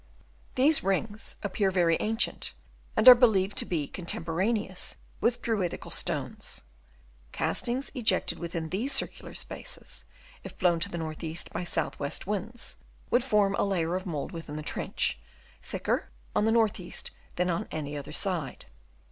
These rings appear very ancient, and are believed to be contem poraneous with the Druidical stones. Castings ejected within these circular spaces, if blown to the north east by south west winds would form a layer of mould within the trench, thicker on the north eastern than on any other side.